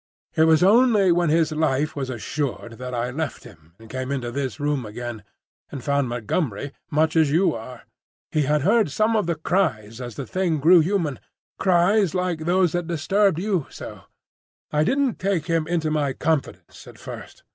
It was only when his life was assured that I left him and came into this room again, and found Montgomery much as you are. He had heard some of the cries as the thing grew human,—cries like those that disturbed you so. I didn't take him completely into my confidence at first.